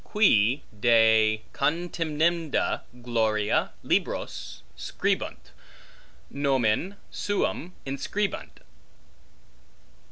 Qui de contemnenda gloria libros scribunt, nomen, suum inscribunt.